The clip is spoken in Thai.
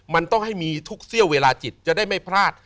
มันต้องให้มีทุกเสี้ยวเวลาจิตจะได้ไม่พลาด